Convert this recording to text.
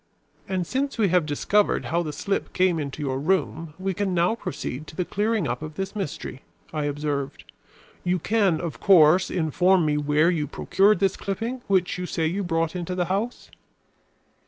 "And since we have discovered how the slip came into your room, we can now proceed to the clearing up of this mystery," I observed. "You can, of course, inform me where you procured this clipping which you say you brought into the house?"